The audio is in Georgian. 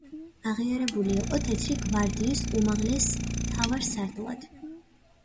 აღიარებული იყო თეთრი გვარდიის უმაღლეს მთავარსარდლად.